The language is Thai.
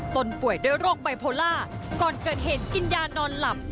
นป่วยด้วยโรคไบโพล่าก่อนเกิดเหตุกินยานอนหลับ